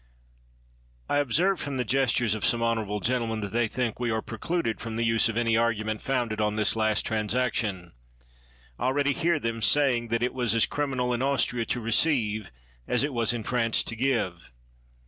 I observe from the gestures of some honorable gentlemen that they think we are precluded from the use of any argument founded on this last transaction. I already hear them saying that it was as criminal in Austria to receive as it was in France to give.